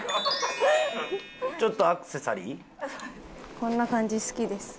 こんな感じ好きです。